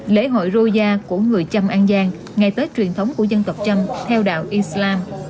lễ hội rô gia của người châm an giang ngày tết truyền thống của dân tộc châm theo đạo islam